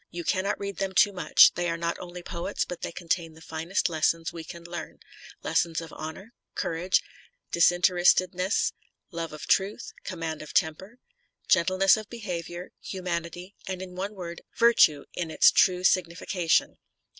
You cannot read them too much, they are not only poets but they contain the finest lessons we can learn, lessons of honour, courage, disinterestedness, love of truth, command of temper, gentleness of behaviour, humanity, and in one word, virtue in its true signification."